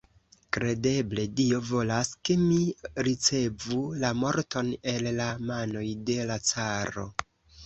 Kredeble Dio volas, ke mi ricevu la morton el la manoj de la caro.